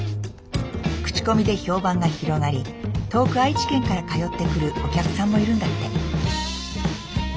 口コミで評判が広がり遠く愛知県から通ってくるお客さんもいるんだって。